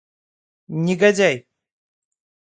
Негодяй!